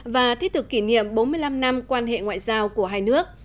và thiết thực kỷ niệm bốn mươi năm năm quan hệ ngoại giao của hai nước